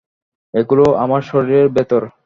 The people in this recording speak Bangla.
এগুলো আমার শরীরের ভেতর।